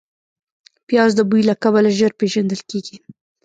پیاز د بوی له کبله ژر پېژندل کېږي